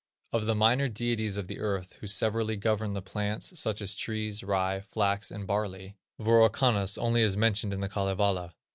Of the minor deities of the earth, who severally govern the plants, such as trees, rye, flax, and barley, Wirokannas only is mentioned in The Kalevala.